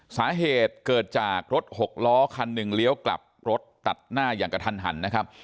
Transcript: สาเหตุเกิดจากรถหกล้อคันหนึ่งเลี้ยวกลับรถตัดหน้าอย่างกระทันหันนะครับ